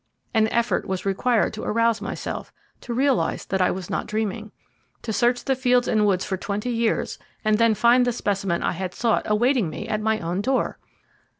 An effort was required to arouse myself, to realize that I was not dreaming. To search the fields and woods for twenty years, and then find the specimen I had sought awaiting me at my own door!